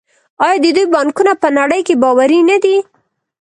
آیا د دوی بانکونه په نړۍ کې باوري نه دي؟